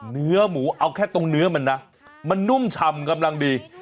เนื้อหมูเอาแค่ตรงเนื้อมันนะมันนุ่มชำกำลังดี